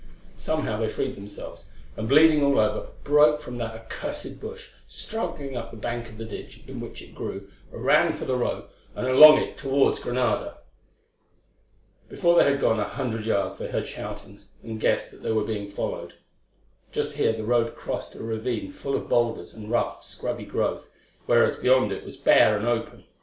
Somehow they freed themselves, and, bleeding all over, broke from that accursed bush, struggling up the bank of the ditch in which it grew, ran for the road, and along it towards Granada. Before they had gone a hundred yards they heard shoutings, and guessed that they were being followed. Just here the road crossed a ravine full of boulders and rough scrubby growth, whereas beyond it was bare and open.